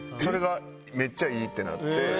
それがめっちゃいいってなって。